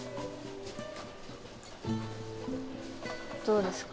どうですか？